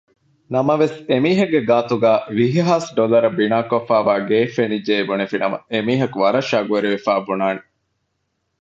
ނަމަވެސް އެމީހެއްގެ ގާތުގައި ވިހިހާސް ޑޮލަރަށް ބިނާކޮށްފައިވާ ގެއެއް ފެނިއްޖެއޭ ބުނެފިނަމަ އެމީހަކު ވަރަށް ޝައުގުވެރިވެފައިވާ ބުނާނެ